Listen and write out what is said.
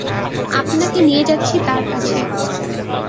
আপনাকে নিয়ে যাচ্ছি তার কাছে।